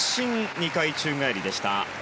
２回宙返りでした。